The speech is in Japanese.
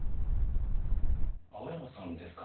青山さんですか？